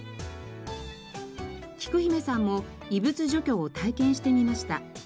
きく姫さんも異物除去を体験してみました。